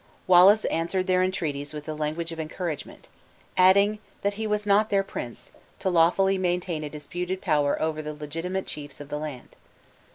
Wallace answered their entreaties with the language of encouragement; adding, that he was not their prince, to lawfully maintain a disputed power over the legitimate chiefs of the land.